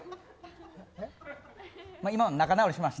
今、仲直りしまして。